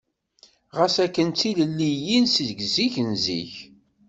Ɣas akken d tilelliyin seg zik n zik.